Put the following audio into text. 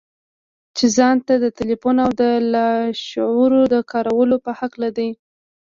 چې ځان ته د تلقين او د لاشعور د کارولو په هکله دي.